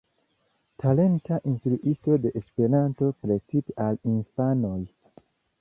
Talenta instruisto de Esperanto, precipe al infanoj.